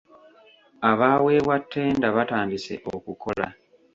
Abaaweebwa ttenda batandise okukola.